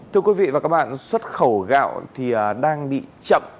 thưa quý vị và các bạn xuất khẩu gạo thì đang bị chậm